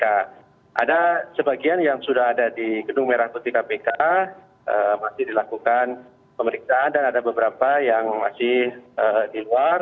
ada sebagian yang sudah ada di gedung merah putih kpk masih dilakukan pemeriksaan dan ada beberapa yang masih di luar